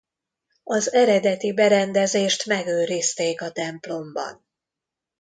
Az eredeti berendezést megőrizték a templomban.